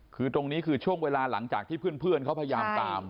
คือตรงนี้คือช่วงเวลาหลังจากที่เพื่อนเขาพยายามตาม